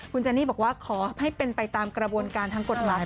คุณเจนี่บอกว่าขอให้เป็นไปตามกระบวนการทางกฎหมาย